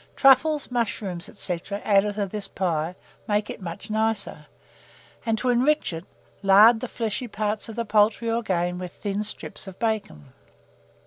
Truffles, mushrooms, &c., added to this pie, make it much nicer; and, to enrich it, lard the fleshy parts of the poultry or game with thin strips of bacon.